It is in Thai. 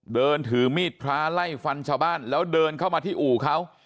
เดินถือมีดพระไล่ฟันชาวบ้านแล้วเดินเข้ามาที่อู่เขา